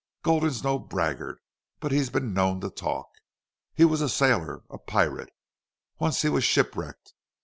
Gulden's no braggart. But he's been known to talk. He was a sailor a pirate. Once he was shipwrecked.